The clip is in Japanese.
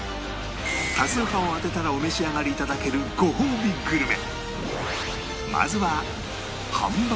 多数派を当てたらお召し上がり頂けるごほうびグルメ